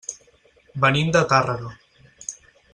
Venim de Tàrrega.